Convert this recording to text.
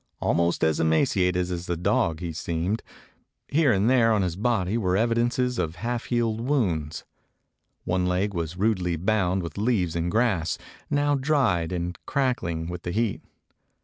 Almost as emaciated as the dog, he seemed. Here and there on his body were evidences of half healed wounds. One leg was rudely bound with leaves and grass, now dried and crackling with the heat.